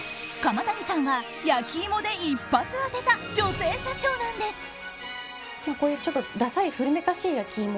釜谷さんは、焼き芋で一発当てた女性社長なんです。